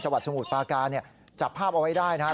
จังหวัดสมุทรปากาจับภาพเอาไว้ได้นะครับ